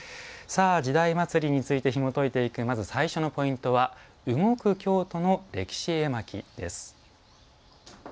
「時代祭」についてひもといていく最初のポイントは「動く京都の歴史絵巻」です。